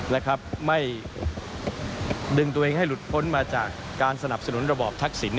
นะครับไม่ดึงตัวเองให้หลุดพ้นมาจากการสนับสนุนระบอบทักษิณ